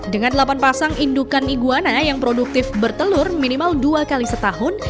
dengan delapan pasang indukan iguana yang produktif bertelur minimal dua kali setahun